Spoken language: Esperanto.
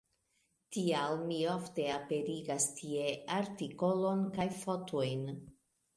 Tial mi ofte aperigas tie artikolon kaj fotojn.